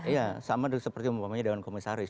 iya sama seperti yang namanya daun komisaris